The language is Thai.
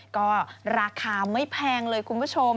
ก็ราคาไม่แพงเลยคุณผู้ชม